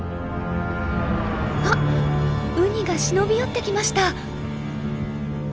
ウニが忍び寄ってきました。